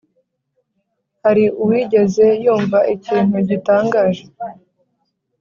hari uwigeze yumva ikintu gitangaje